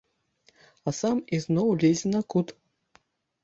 А сам ізноў лезе на кут.